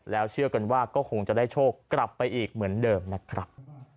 แล้วเชื่อกันว่าก็คงจะได้โชคกลับไปอีกเหมือนเดิมนะครับ